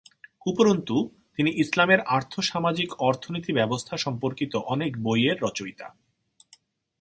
উপরন্তু, তিনি ইসলামের আর্থ-সামাজিক-অর্থনীতি ব্যবস্থা সম্পর্কিত অনেক বইয়ের রচয়িতা।